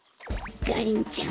ガリンちゃん